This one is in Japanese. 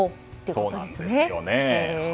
そうなんですね。